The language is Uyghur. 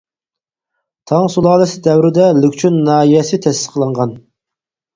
تاڭ سۇلالىسى دەۋرىدە لۈكچۈن ناھىيەسى تەسىس قىلىنغان.